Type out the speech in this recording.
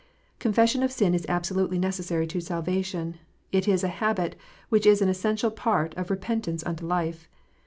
Confes sion of sin is absolutely necessary to salvation : it is a habit which is an essential part of repentance unto life.